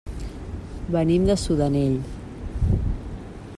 Venim de Sudanell.